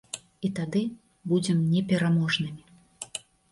І тады будзем непераможнымі.